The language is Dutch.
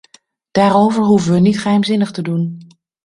Daarover hoeven we niet geheimzinnig te doen.